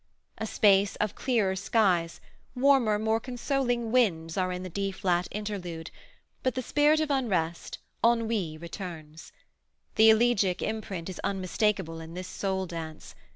A space of clearer skies, warmer, more consoling winds are in the D flat interlude, but the spirit of unrest, ennui returns. The elegiac imprint is unmistakable in this soul dance.